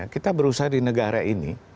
kita berusaha di negara ini